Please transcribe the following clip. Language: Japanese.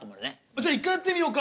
じゃあ一回やってみようか？